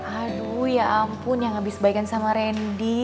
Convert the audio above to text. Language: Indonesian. aduh ya ampun yang abis sebaikan sama randy